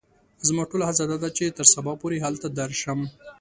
زما ټوله هڅه دا ده چې تر سبا پوري هلته درشم.